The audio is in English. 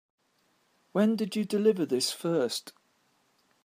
When did you deliver this first?